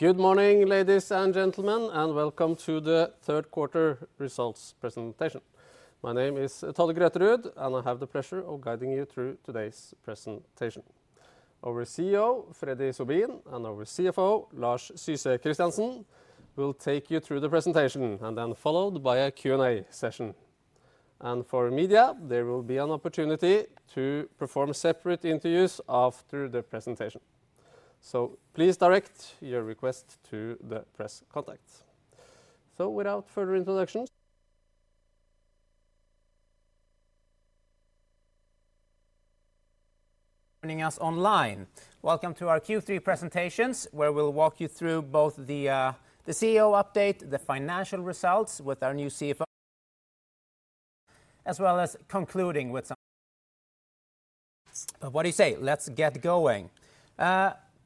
Good morning, ladies and gentlemen, and welcome to the third quarter results presentation. My name is Tolle Grøterud, and I have the pleasure of guiding you through today's presentation. Our CEO, Freddy Sobin, and our CFO, Lars Syse Christiansen, will take you through the presentation, and then followed by a Q&A session. And for media, there will be an opportunity to perform separate interviews after the presentation. So please direct your request to the press contacts. So without further introductions. Joining us online. Welcome to our Q3 presentations, where we'll walk you through both the CEO update, the financial results with our new CFO, as well as concluding with some. What do you say? Let's get going.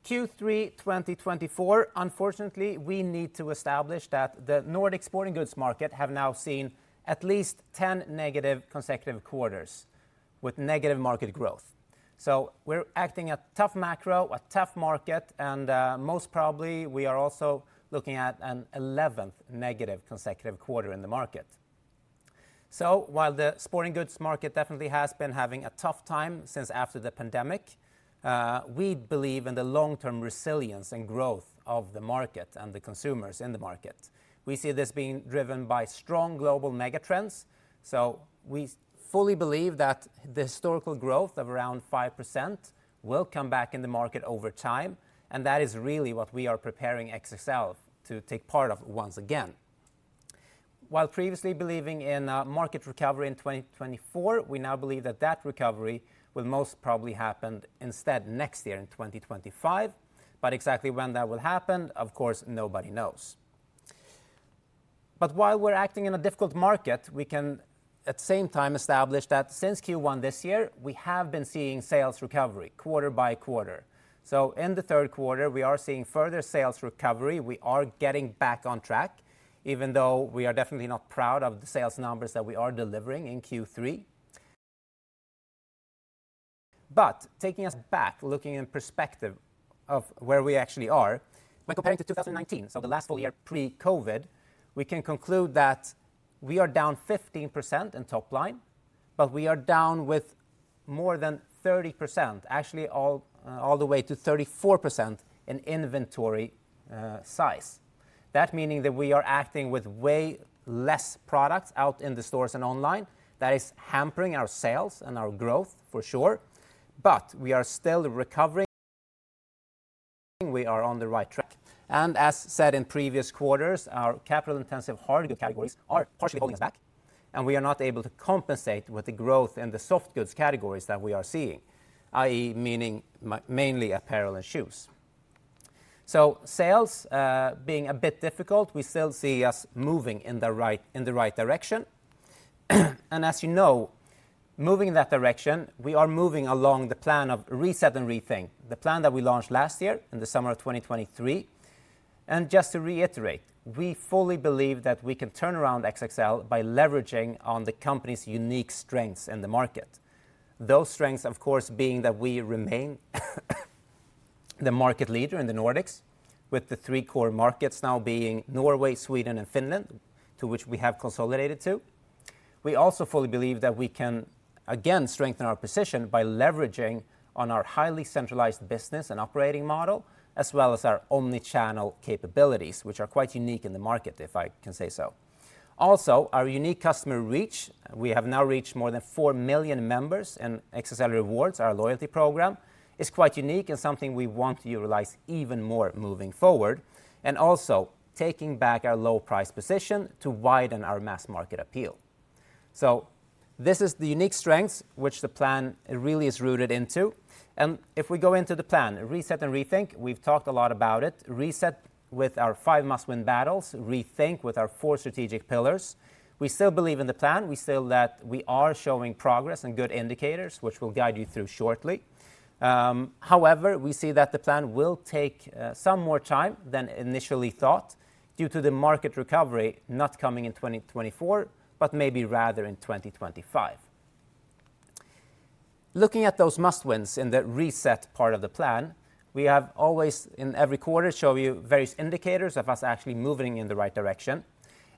Q3 2024, unfortunately, we need to establish that the Nordic sporting goods market has now seen at least 10 negative consecutive quarters with negative market growth. So we're acting at tough macro, a tough market, and most probably we are also looking at an 11th negative consecutive quarter in the market. So while the sporting goods market definitely has been having a tough time since after the pandemic, we believe in the long-term resilience and growth of the market and the consumers in the market. We see this being driven by strong global mega trends. We fully believe that the historical growth of around 5% will come back in the market over time. And that is really what we are preparing XXL to take part of once again. While previously believing in market recovery in 2024, we now believe that that recovery will most probably happen instead next year in 2025. But exactly when that will happen, of course, nobody knows. But while we're acting in a difficult market, we can at the same time establish that since Q1 this year, we have been seeing sales recovery quarter by quarter. So in the third quarter, we are seeing further sales recovery. We are getting back on track, even though we are definitely not proud of the sales numbers that we are delivering in Q3. But taking us back, looking in perspective of where we actually are. When comparing to 2019, so the last full year pre-COVID, we can conclude that we are down 15% in top line, but we are down with more than 30%, actually all the way to 34% in inventory size. That meaning that we are acting with way less products out in the stores and online. That is hampering our sales and our growth for sure. But we are still recovering. We are on the right track. And as said in previous quarters, our capital-intensive hardware categories are partially holding us back, and we are not able to compensate with the growth in the soft goods categories that we are seeing, i.e., meaning mainly apparel and shoes. So sales being a bit difficult, we still see us moving in the right direction. And as you know, moving in that direction, we are moving along the plan of Reset and Rethink, the plan that we launched last year in the summer of 2023. And just to reiterate, we fully believe that we can turn around XXL by leveraging on the company's unique strengths in the market. Those strengths, of course, being that we remain the market leader in the Nordics, with the three core markets now being Norway, Sweden, and Finland, to which we have consolidated to. We also fully believe that we can again strengthen our position by leveraging on our highly centralized business and operating model, as well as our omnichannel capabilities, which are quite unique in the market, if I can say so. Also, our unique customer reach, we have now reached more than four million members in XXL Rewards, our loyalty program, is quite unique and something we want to utilize even more moving forward, and also taking back our low-price position to widen our mass market appeal, so this is the unique strengths which the plan really is rooted into, and if we go into the plan, Reset and Rethink, we've talked a lot about it. Reset with our five Must-win battles, rethink with our four strategic pillars. We still believe in the plan. We feel that we are showing progress and good indicators, which will guide you through shortly. However, we see that the plan will take some more time than initially thought due to the market recovery not coming in 2024, but maybe rather in 2025. Looking at those must-win battles in the Reset part of the plan, we have always in every quarter shown you various indicators of us actually moving in the right direction.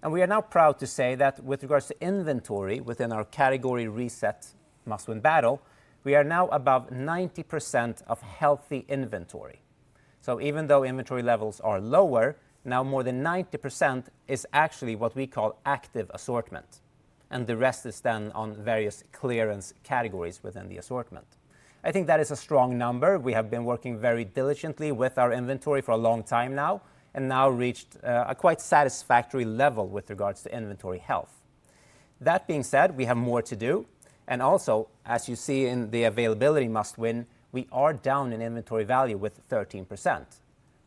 And we are now proud to say that with regards to inventory within our category reset must-win battle, we are now above 90% of healthy inventory. So even though inventory levels are lower, now more than 90% is actually what we call active assortment. And the rest is done on various clearance categories within the assortment. I think that is a strong number. We have been working very diligently with our inventory for a long time now and now reached a quite satisfactory level with regards to inventory health. That being said, we have more to do. And also, as you see in the availability must-win, we are down in inventory value with 13%.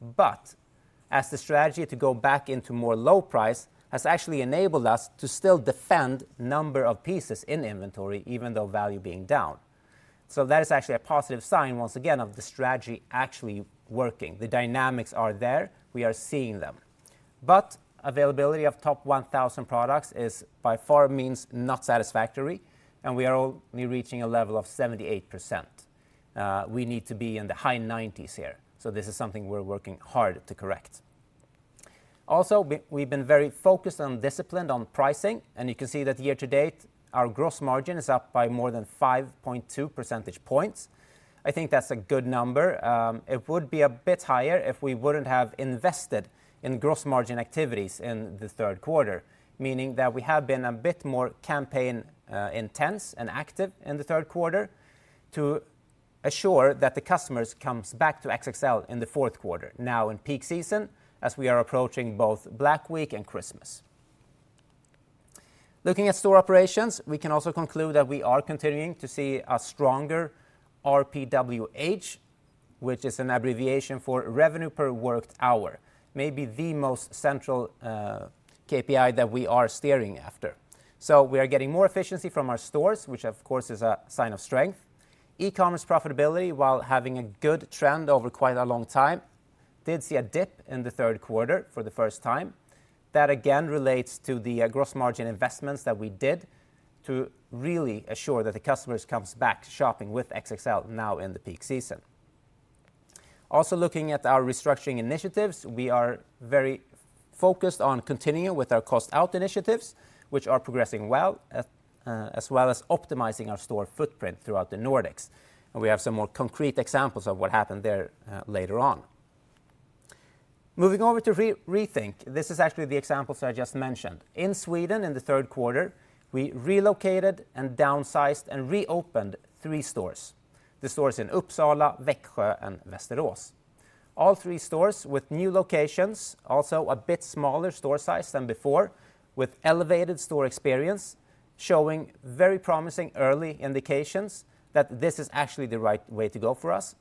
But as the strategy to go back into more low price has actually enabled us to still defend a number of pieces in inventory, even though value being down. So that is actually a positive sign once again of the strategy actually working. The dynamics are there. We are seeing them. But availability of top 1,000 products by far means not satisfactory, and we are only reaching a level of 78%. We need to be in the high 90s here. So this is something we're working hard to correct. Also, we've been very focused and disciplined on pricing. And you can see that year to date, our gross margin is up by more than 5.2 percentage points. I think that's a good number. It would be a bit higher if we wouldn't have invested in gross margin activities in the third quarter, meaning that we have been a bit more campaign intense and active in the third quarter to assure that the customers come back to XXL in the fourth quarter, now in peak season, as we are approaching both Black Week and Christmas. Looking at store operations, we can also conclude that we are continuing to see a stronger RPWH, which is an abbreviation for revenue per worked hour, maybe the most central KPI that we are steering after. So we are getting more efficiency from our stores, which of course is a sign of strength. E-commerce profitability, while having a good trend over quite a long time, did see a dip in the third quarter for the first time. That again relates to the gross margin investments that we did to really assure that the customers come back shopping with XXL now in the peak season. Also looking at our restructuring initiatives, we are very focused on continuing with our cost-out initiatives, which are progressing well, as well as optimizing our store footprint throughout the Nordics. And we have some more concrete examples of what happened there later on. Moving over to rethink, this is actually the examples I just mentioned. In Sweden, in the third quarter, we relocated and downsized and reopened three stores, the stores in Uppsala, Växjö, and Västerås. All three stores with new locations, also a bit smaller store size than before, with elevated store experience, showing very promising early indications that this is actually the right way to go for us.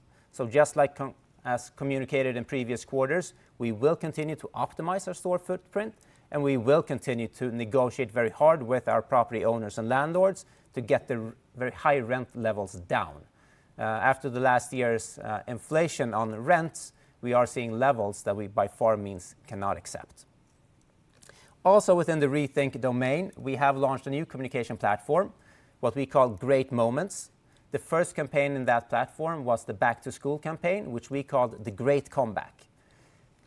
Just like as communicated in previous quarters, we will continue to optimize our store footprint, and we will continue to negotiate very hard with our property owners and landlords to get the very high rent levels down. After the last year's inflation on rents, we are seeing levels that we by no means cannot accept. Also within the rethink domain, we have launched a new communication platform, what we call Great Moments. The first campaign in that platform was the Back to School campaign, which we called the Great Comeback.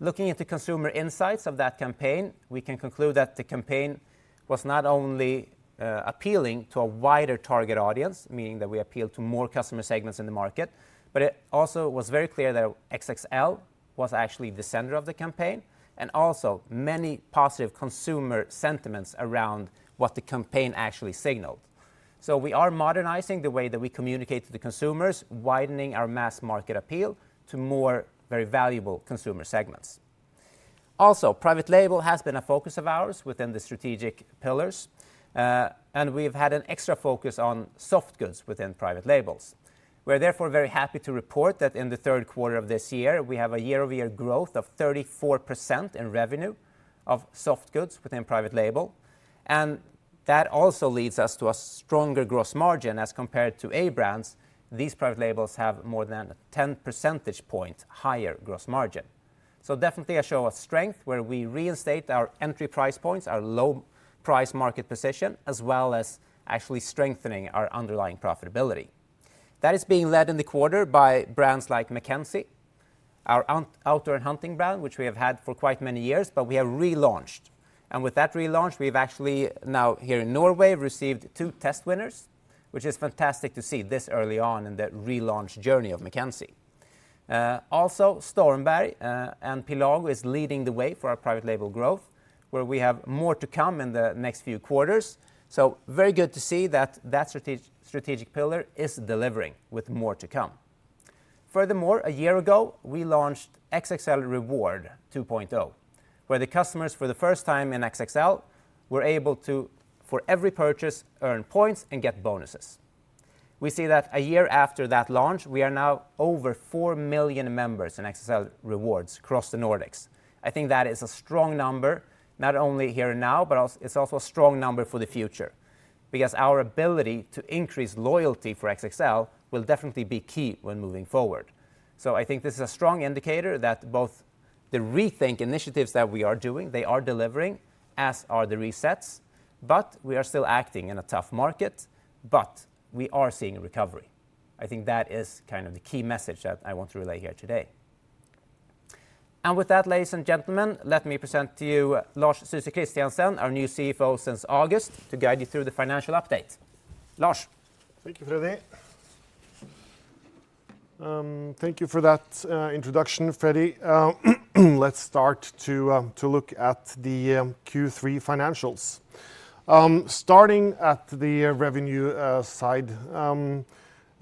Looking into consumer insights of that campaign, we can conclude that the campaign was not only appealing to a wider target audience, meaning that we appealed to more customer segments in the market, but it also was very clear that XXL was actually the center of the campaign, and also many positive consumer sentiments around what the campaign actually signaled, so we are modernizing the way that we communicate to the consumers, widening our mass market appeal to more very valuable consumer segments, also, private label has been a focus of ours within the strategic pillars, and we've had an extra focus on soft goods within private labels. We are therefore very happy to report that in the third quarter of this year, we have a year-over-year growth of 34% in revenue of soft goods within private label. And that also leads us to a stronger gross margin as compared to A brands. These private labels have more than a 10 percentage point higher gross margin. So definitely a show of strength where we reinstate our entry price points, our low-price market position, as well as actually strengthening our underlying profitability. That is being led in the quarter by brands like McKenzie, our outdoor and hunting brand, which we have had for quite many years, but we have relaunched. And with that relaunch, we've actually now here in Norway received two test winners, which is fantastic to see this early on in the relaunch journey of McKenzie. Also, Stormberg and Pål Wibe is leading the way for our private label growth, where we have more to come in the next few quarters. So very good to see that that strategic pillar is delivering with more to come. Furthermore, a year ago, we launched XXL Rewards 2.0, where the customers for the first time in XXL were able to, for every purchase, earn points and get bonuses. We see that a year after that launch, we are now over four million members in XXL Rewards across the Nordics. I think that is a strong number, not only here and now, but it's also a strong number for the future because our ability to increase loyalty for XXL will definitely be key when moving forward. So I think this is a strong indicator that both the rethink initiatives that we are doing, they are delivering, as are the resets, but we are still acting in a tough market, but we are seeing a recovery. I think that is kind of the key message that I want to relay here today. With that, ladies and gentlemen, let me present to you Lars Syse Christiansen, our new CFO since August, to guide you through the financial update. Lars. Thank you, Freddy. Thank you for that introduction, Freddy. Let's start to look at the Q3 financials. Starting at the revenue side,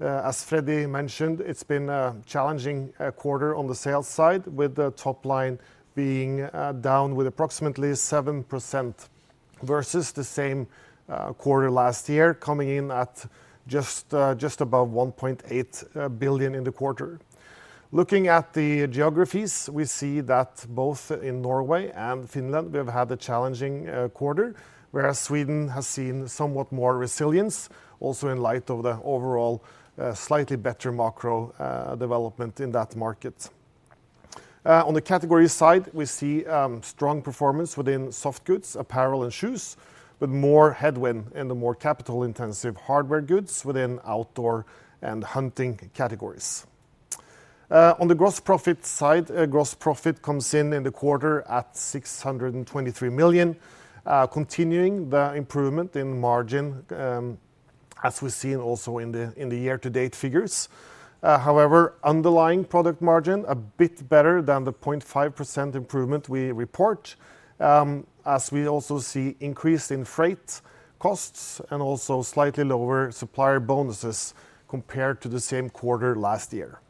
as Freddy mentioned, it's been a challenging quarter on the sales side, with the top line being down with approximately 7% versus the same quarter last year, coming in at just above 1.8 billion in the quarter. Looking at the geographies, we see that both in Norway and Finland, we have had a challenging quarter, whereas Sweden has seen somewhat more resilience, also in light of the overall slightly better macro development in that market. On the category side, we see strong performance within soft goods, apparel, and shoes, with more headwind in the more capital-intensive hardware goods within outdoor and hunting categories. On the gross profit side, gross profit comes in in the quarter at 623 million, continuing the improvement in margin as we've seen also in the year-to-date figures. However, underlying product margin a bit better than the 0.5% improvement we report, as we also see increase in freight costs and also slightly lower supplier bonuses compared to the same quarter last year.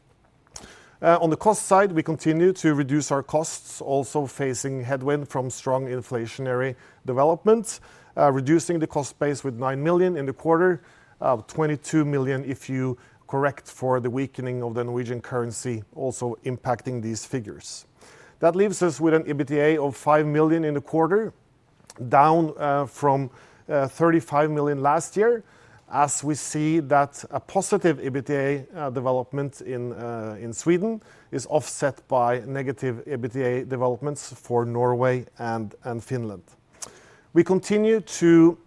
On the cost side, we continue to reduce our costs, also facing headwind from strong inflationary development, reducing the cost base with 9 million in the quarter, 22 million if you correct for the weakening of the Norwegian currency, also impacting these figures. That leaves us with an EBITDA of 5 million in the quarter, down from 35 million last year, as we see that a positive EBITDA development in Sweden is offset by negative EBITDA developments for Norway and Finland. We continue to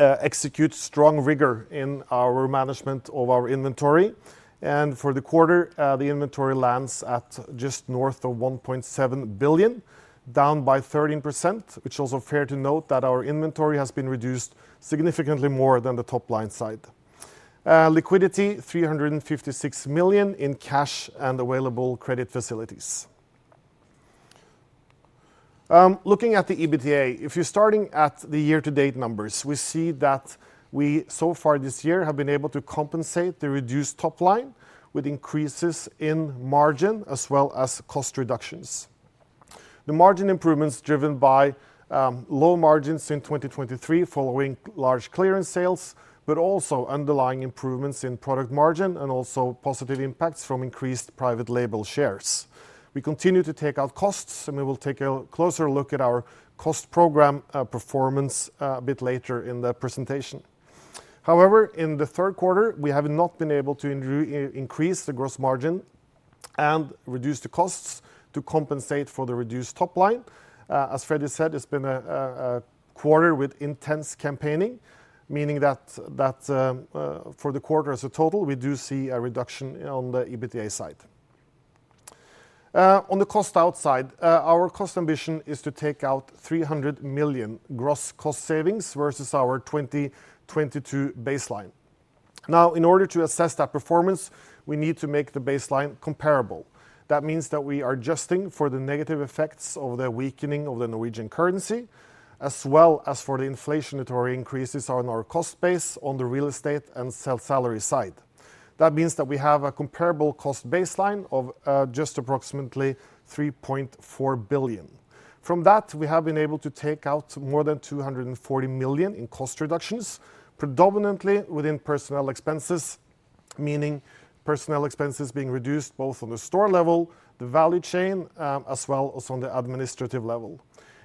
execute strong rigor in our management of our inventory, and for the quarter, the inventory lands at just north of 1.7 billion, down by 13%, which is also fair to note that our inventory has been reduced significantly more than the top line side. Liquidity, 356 million in cash and available credit facilities. Looking at the EBITDA, if you're starting at the year-to-date numbers, we see that we so far this year have been able to compensate the reduced top line with increases in margin as well as cost reductions. The margin improvements driven by low margins in 2023 following large clearance sales, but also underlying improvements in product margin and also positive impacts from increased private label shares. We continue to take out costs, and we will take a closer look at our cost program performance a bit later in the presentation. However, in the third quarter, we have not been able to increase the gross margin and reduce the costs to compensate for the reduced top line. As Freddy said, it's been a quarter with intense campaigning, meaning that for the quarter as a total, we do see a reduction on the EBITDA side. On the cost-out side, our cost ambition is to take out 300 million gross cost savings versus our 2022 baseline. Now, in order to assess that performance, we need to make the baseline comparable. That means that we are adjusting for the negative effects of the weakening of the Norwegian currency, as well as for the inflationary increases on our cost base on the real estate and salary side. That means that we have a comparable cost baseline of just approximately 3.4 billion. From that, we have been able to take out more than 240 million in cost reductions, predominantly within personnel expenses, meaning personnel expenses being reduced both on the store level, the value chain, as well as on the administrative level.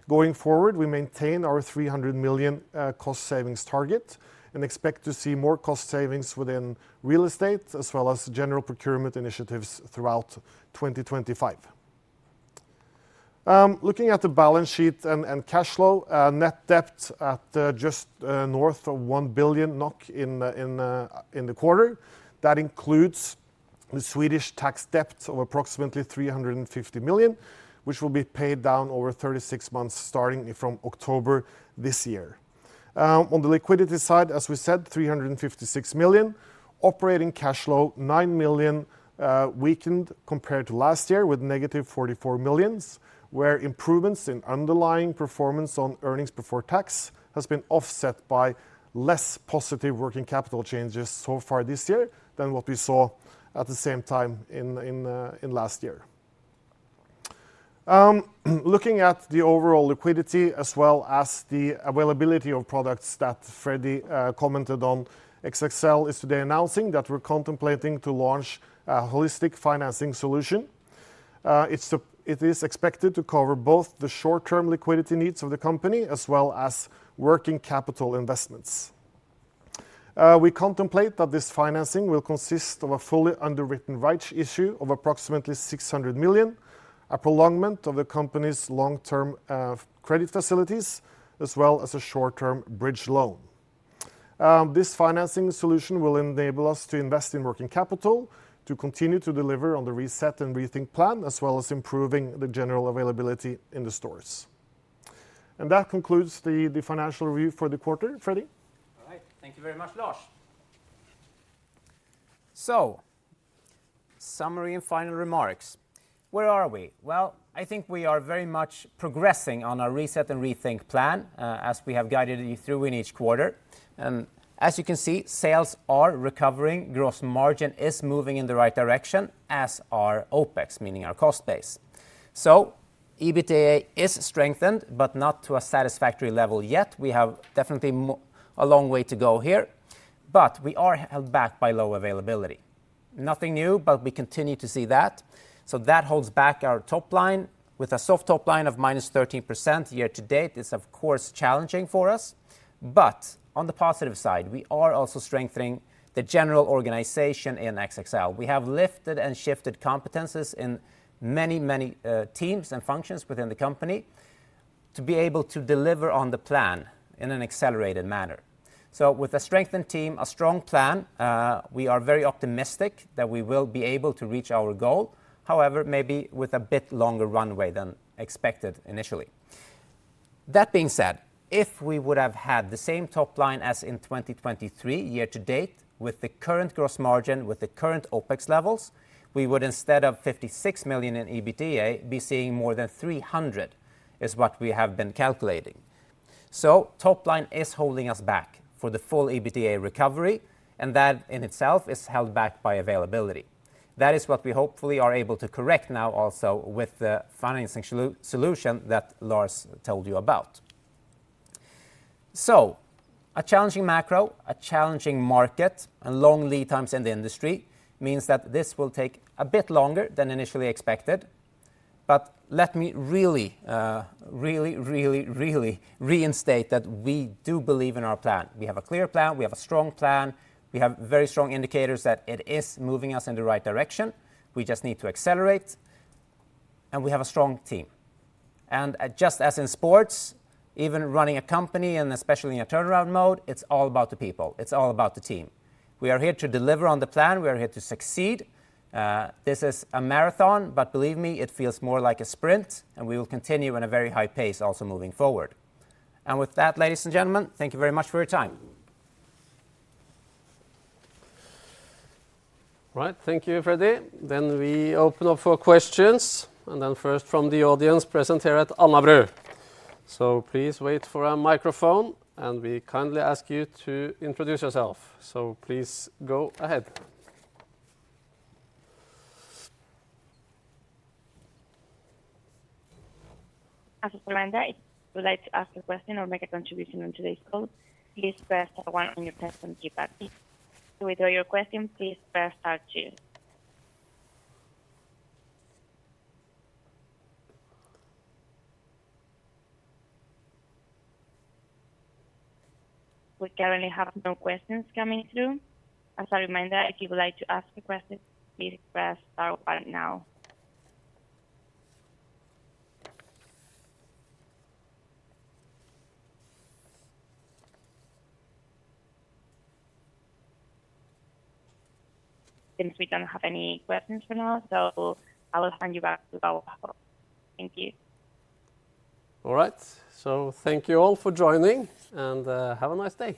Going forward, we maintain our 300 million cost savings target and expect to see more cost savings within real estate, as well as general procurement initiatives throughout 2025. Looking at the balance sheet and cash flow, net debt at just north of 1 billion NOK in the quarter. That includes the Swedish tax debt of approximately 350 million, which will be paid down over 36 months starting from October this year. On the liquidity side, as we said, 356 million. Operating cash flow, 9 million, weakened compared to last year with negative 44 million, where improvements in underlying performance on earnings before tax have been offset by less positive working capital changes so far this year than what we saw at the same time in last year. Looking at the overall liquidity, as well as the availability of products that Freddy commented on, XXL is today announcing that we're contemplating to launch a holistic financing solution. It is expected to cover both the short-term liquidity needs of the company as well as working capital investments. We contemplate that this financing will consist of a fully underwritten rights issue of approximately 600 million, a prolongment of the company's long-term credit facilities, as well as a short-term bridge loan. This financing solution will enable us to invest in working capital to continue to deliver on the reset and rethink plan, as well as improving the general availability in the stores. And that concludes the financial review for the quarter, Freddy. All right. Thank you very much, Lars. So, summary and final remarks. Where are we? Well, I think we are very much progressing on our Reset and Rethink plan as we have guided you through in each quarter. And as you can see, sales are recovering, gross margin is moving in the right direction, as are OPEX, meaning our cost base. So EBITDA is strengthened, but not to a satisfactory level yet. We have definitely a long way to go here, but we are held back by low availability. Nothing new, but we continue to see that. So that holds back our top line with a soft top line of minus 13% year-to-date. It's, of course, challenging for us. But on the positive side, we are also strengthening the general organization in XXL. We have lifted and shifted competencies in many, many teams and functions within the company to be able to deliver on the plan in an accelerated manner. So with a strengthened team, a strong plan, we are very optimistic that we will be able to reach our goal, however, maybe with a bit longer runway than expected initially. That being said, if we would have had the same top line as in 2023 year-to-date with the current gross margin, with the current OPEX levels, we would, instead of 56 million in EBITDA, be seeing more than 300, is what we have been calculating. So top line is holding us back for the full EBITDA recovery, and that in itself is held back by availability. That is what we hopefully are able to correct now also with the financing solution that Lars told you about. So a challenging macro, a challenging market, and long lead times in the industry means that this will take a bit longer than initially expected. But let me really, really, really, really reinstate that we do believe in our plan. We have a clear plan, we have a strong plan, we have very strong indicators that it is moving us in the right direction. We just need to accelerate, and we have a strong team. And just as in sports, even running a company, and especially in a turnaround mode, it's all about the people, it's all about the team. We are here to deliver on the plan, we are here to succeed. This is a marathon, but believe me, it feels more like a sprint, and we will continue at a very high pace also moving forward. With that, ladies and gentlemen, thank you very much for your time. All right, thank you, Freddy. Then we open up for questions, and then first from the audience present here at Alnabru. So please wait for a microphone, and we kindly ask you to introduce yourself. So please go ahead. As a reminder, if you would like to ask a question or make a contribution on today's call, please press star one on your phone's keypad. To withdraw your question, please press star two. We currently have no questions coming through. As a reminder, if you would like to ask a question, please press star one now. Since we don't have any questions for now, so I will hand you back to our panel. Thank you. All right, so thank you all for joining, and have a nice day.